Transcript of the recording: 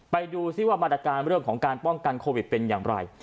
ไปดูซิว่ามาตรการเรื่องของการป้องกันโควิดเป็นอย่างไร